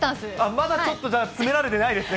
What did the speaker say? まだちょっとじゃあ、詰められてないですね。